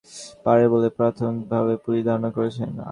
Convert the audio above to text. পূর্ববিরোধের জের ধরে হামলা হতে পারে বলে প্রাথমিকভাবে পুলিশ ধারণা করছে।